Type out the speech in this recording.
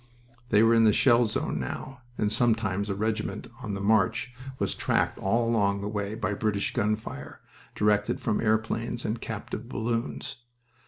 They were in the shell zone now, and sometimes a regiment on the march was tracked all along the way by British gun fire directed from airplanes and captive balloons.